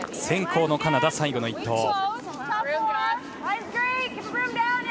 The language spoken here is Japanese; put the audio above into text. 先攻のカナダ、最後の一投。